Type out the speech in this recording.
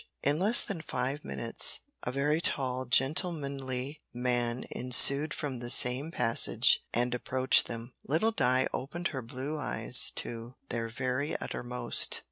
In less than five minutes a very tall gentlemanly man issued from the same passage and approached them. Little Di opened her blue eyes to their very uttermost.